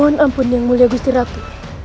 mohon ampun yang mulia gusti ratu